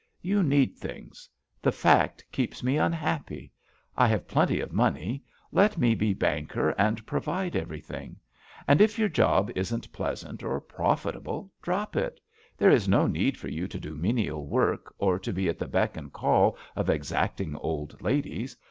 You need things. The fact keeps me unhappy. I have plenty of money; let me be banker and pro ^ JUST SWEETHEARTS ^ vide everything. And if your job isn't pleas ant or profitable, drop it. There is no need for you to do menial work or be at the beck and call of exacting old ladies.